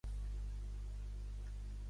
I els mossos d’esquadra?